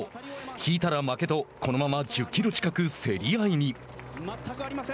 引いたら負けとこのまま１０キロ近く競り合いに。